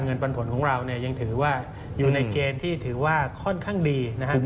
ปันผลของเราเนี่ยยังถือว่าอยู่ในเกณฑ์ที่ถือว่าค่อนข้างดีนะครับ